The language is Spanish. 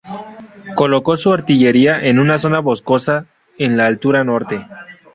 Colocó su artillería en una zona boscosa en la altura norte.